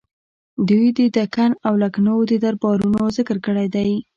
دوی د دکن او لکنهو د دربارونو ذکر کړی دی.